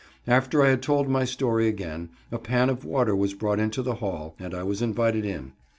After I had told my story again a pan of water was brought into the hall and I was invited in.